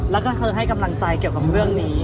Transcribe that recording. แล้วก็เธอให้กำลังใจเกี่ยวกับเรื่องนี้